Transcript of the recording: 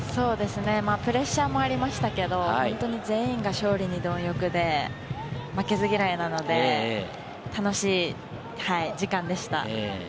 プレッシャーもありましたけれども、本当に全員が勝利に貪欲で負けず嫌いなので、楽しい時間でした。